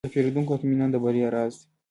د پیرودونکو اطمینان د بریا راز دی.